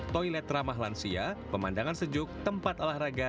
toilet ramah lansia pemandangan sejuk tempat alah raga